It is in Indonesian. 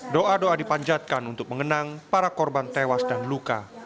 doa doa dipanjatkan untuk mengenang para korban tewas dan luka